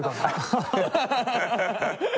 ハハハハ！